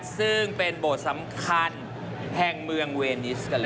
ซึ่งเป็นโบสถ์สำคัญแห่งเมืองเวนิสกันเลย